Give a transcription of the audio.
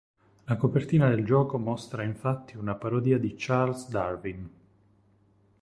La copertina del gioco mostra infatti una parodia di Charles Darwin.